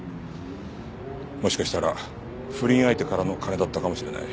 もしかしたら不倫相手からの金だったかもしれない。